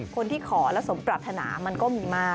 คนที่ขอและสมปรารถนามันก็มีมาก